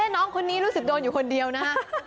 น้องคนนี้รู้สึกโดนอยู่คนเดียวนะฮะ